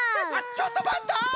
ちょっとまった！